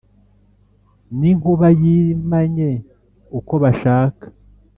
n’inkuba yimanye uko bashaka